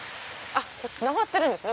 つながってるんですね